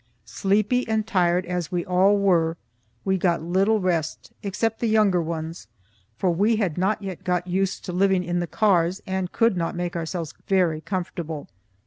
Sleepy and tired as we all were, we got little rest, except the younger ones, for we had not yet got used to living in the cars and could not make ourselves very comfortable.